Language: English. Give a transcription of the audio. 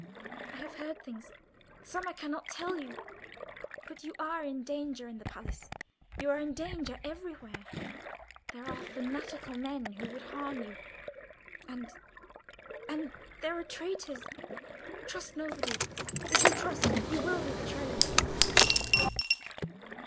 I have heard things—some I cannot tell you. But you are in danger in the palace; you are in danger everywhere. There are fanatical men who would harm you, and—and there are traitors. Trust nobody. If you trust, you will be betrayed."